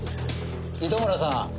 糸村さん。